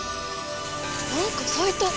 なんかさいた！